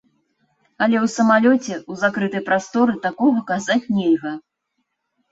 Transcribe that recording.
Але ў самалёце, у закрытай прасторы такога казаць нельга.